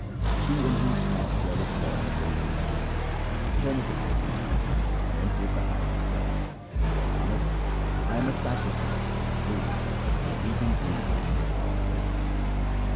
She in whose heart dwelleth God's ambrosial name, turneth away from mammon and entereth the house of God. Nanak, I am a sacrifice to my Guru by meeting whom I sing God's praises.